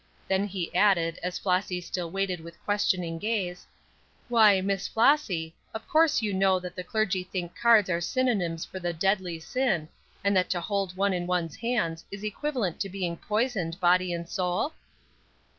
Then he added, as Flossy still waited with questioning gaze: "Why, Miss Flossy, of course you know that the clergy think cards are synonyms for the deadly sin, and that to hold one in one's hand is equivalent to being poisoned, body and soul?"